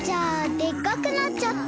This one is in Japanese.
でっかくなっちゃった！